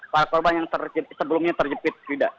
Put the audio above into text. para korban yang sebelumnya terjepit frida